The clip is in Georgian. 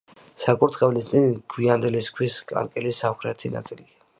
საკურთხევლის წინ გვიანდელი ქვის კანკელის სამხრეთი ნაწილია.